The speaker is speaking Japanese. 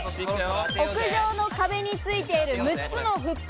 屋上の壁についている６つのフック。